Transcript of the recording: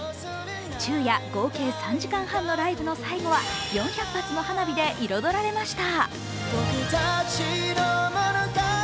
昼夜合計３時間半のライブの最後は４００発の花火で彩られました。